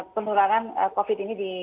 penularan covid ini di